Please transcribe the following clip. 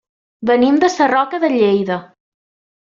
Venim de Sarroca de Lleida.